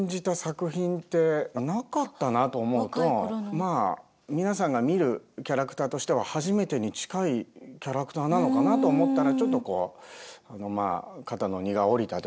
まあ皆さんが見るキャラクターとしては初めてに近いキャラクターなのかなと思ったらちょっとこうまあ肩の荷が下りたというか。